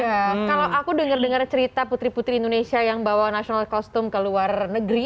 iya kalau aku dengar dengar cerita putri putri indonesia yang bawa national costum ke luar negeri